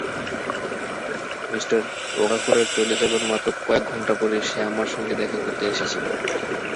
Me ওকাকুরার চলে যাবার মাত্র কয়েক ঘণ্টা পরেই সে আমার সঙ্গে দেখা করতে এসেছিল।